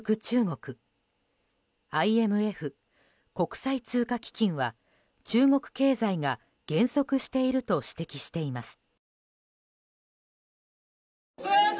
ＩＭＦ・国際通貨基金は中国経済が減速していると指摘しています。